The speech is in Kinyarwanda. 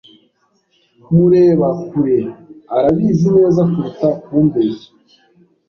mureba kure arabizi neza kuruta kumbeshya.